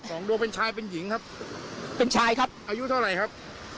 สองดวงเป็นชายเป็นหญิงครับเป็นชายครับอายุเท่าไหร่ครับ